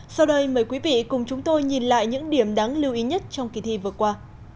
sau đây mời quý vị cùng chúng tôi nhìn lại những điểm đáng lưu ý nhất trong kỳ thi vừa qua